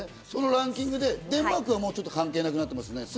そのランキングでデンマークはもう関係なくなってますね。